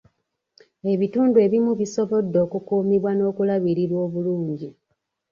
Ebitundu ebimu bisobodde okukuumibwa n'okulabirirwa obulungi.